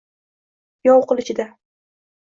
Yov qilichida